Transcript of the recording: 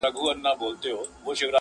نن به یې لوی ښاخونه؛